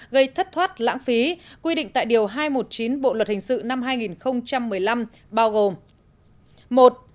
gây thất thoát lãng phí quy định tại điều hai trăm một mươi chín bộ luật hình sự năm hai nghìn một mươi năm bao gồm